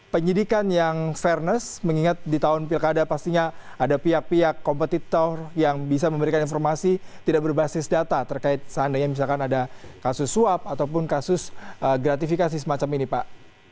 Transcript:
penyidikan yang fairness mengingat di tahun pilkada pastinya ada pihak pihak kompetitor yang bisa memberikan informasi tidak berbasis data terkait seandainya misalkan ada kasus suap ataupun kasus gratifikasi semacam ini pak